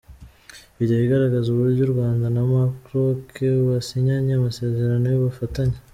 Video igaragaza uburyo u Rwanda na Maroc basinyanye amasezerano y’ubufatanye.